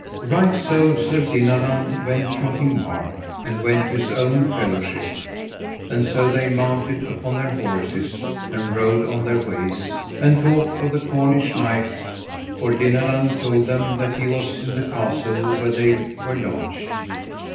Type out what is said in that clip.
Right so Sir Dinadan went from King Mark, and went to his own fellowship; and so they mounted upon their horses, and rode on their ways, and talked of the Cornish knight, for Dinadan told them that he was in the castle where they were lodged.